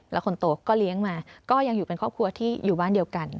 แล้วคนโตก็เลี้ยงมาก็ยังอยู่เป็นครอบครัวที่อยู่บ้านเดียวกัน